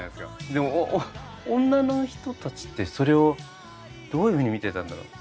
でも女の人たちってそれをどういうふうに見てたんだろう。